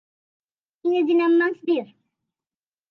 ইংরেজি নাম ‘musk deer’.